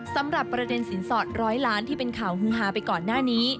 สำหรับประเด็นสินสอดร้อยล้านที่เป็นข่าวฮือฮาไปก่อนหน้านี้